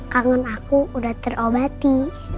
kangen aku udah terobati